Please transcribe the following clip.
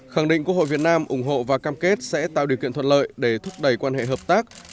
khẳng định quốc hội việt nam ủng hộ và cam kết sẽ tạo điều kiện thuận lợi để thúc đẩy quan hệ hợp tác